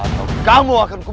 tidak ada ke kek